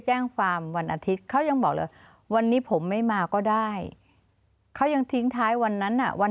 พนักงานสอบสวนทำให้เสียทรัพย์นั้นทราบ